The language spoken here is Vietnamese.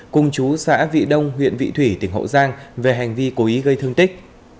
cùng chú xã vị đông huyện vị thủy tỉnh hậu giang về hành vi cố ý gây thương tích